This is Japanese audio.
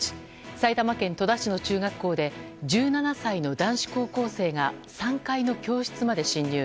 埼玉県戸田市の中学校で１７歳の男子高校生が３階の教室まで侵入。